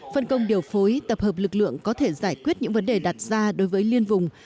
phân công điều phối tập hợp lực lượng có thể giải quyết những vấn đề đặt ra đối với liên vùng